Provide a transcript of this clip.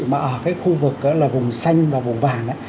mà ở khu vực vùng xanh và vùng vàng